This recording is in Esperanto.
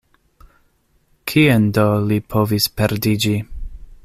Kien do li povis perdiĝi?